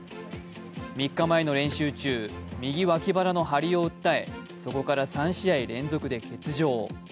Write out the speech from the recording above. ３日前の練習中、右脇腹の張りを訴え、そこから３試合連続で欠場。